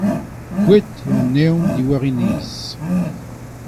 kouezhet eo an evn diwar e neizh.